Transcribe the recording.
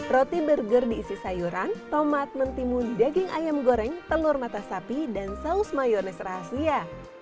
roti burger diisi sayuran tomat mentimun daging ayam goreng telur mata sapi dan saus mayonis rahasia